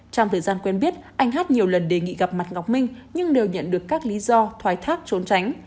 trong thời gian quen biết anh hát nhiều lần đề nghị gặp mặt ngọc minh nhưng đều nhận được các lý do thoái thác trốn tránh